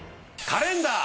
カレンダー？